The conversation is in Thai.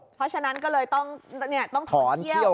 เพราะฉะนั้นก็เลยต้องท่องเที่ยว